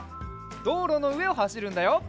どうろのうえをはしるんだよ。